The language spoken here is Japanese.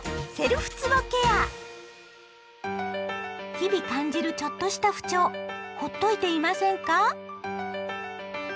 日々感じるちょっとした不調ほっといていませんか？